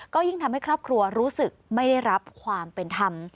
ก็ยิ่งทำให้ครอบครัวรู้สึกไม่ได้รับความเป็นธรรม